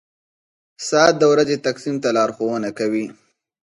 • ساعت د ورځې تقسیم ته لارښوونه کوي.